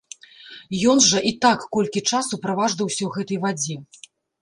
Ён жа і так колькі часу праваждаўся ў гэтай вадзе!